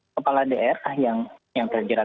kepala daerah yang terjerat